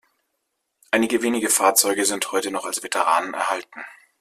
Einige wenige Fahrzeuge sind heute noch als Veteranen erhalten.